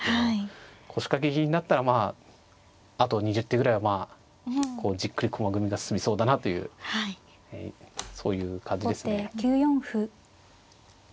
腰掛け銀だったらまああと２０手ぐらいはまあこうじっくり駒組みが進みそうだなというそういう感じですね。